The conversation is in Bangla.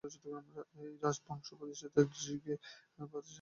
এই রাজবংশ প্রতিষ্ঠা করেন ঝিগ-শাগ-পা-ত্শে-ব্র্তান-র্দো-র্জে।